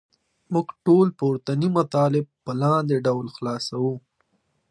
موږ ټول پورتني مطالب په لاندې ډول خلاصه کوو.